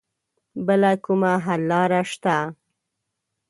بله کومه حل لاره شته